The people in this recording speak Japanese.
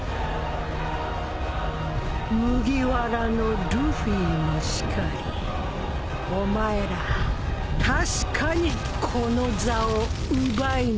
麦わらのルフィもしかりお前ら確かにこの座を奪いに来たんだね。